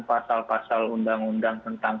pasal pasal undang undang tentang